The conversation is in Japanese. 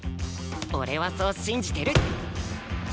俺はそう信じてる！